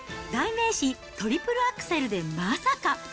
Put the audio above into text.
代名詞、トリプルアクセルでまさか。